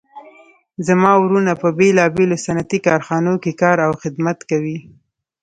زما وروڼه په بیلابیلو صنعتي کارخانو کې کار او خدمت کوي